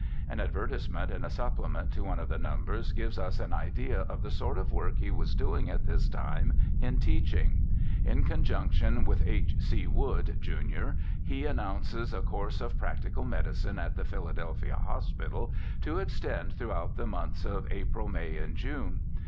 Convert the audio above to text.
An advertisement in a supplement to one of the numbers gives us an idea of the sort of work he was doing at this time in teaching. In conjunction with H. C. Wood, jun., he announces a course of practical medicine at the Philadelphia Hospital, to extend through out the months of April, May, and June.